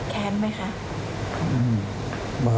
แค้นไหมคะ